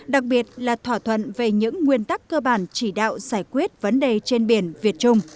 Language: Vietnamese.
đặc biệt là thỏa thuận về những nguyên tắc cơ bản chỉ đạo giải quyết vấn đề trên biển việt trung